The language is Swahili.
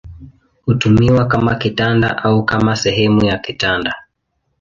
Hutumiwa kama kitanda au kama sehemu ya kitanda.